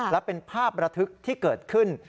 และเป็นภาพระทึกที่เกิดขึ้น